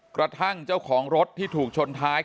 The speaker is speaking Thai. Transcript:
กระทั่งเจ้าของรถที่ถูกชนท้าย